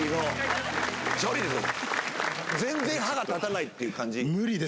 全然歯が立たないっていう感じ？